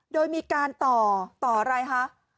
โดยมีการต่อต่ออะไรคะ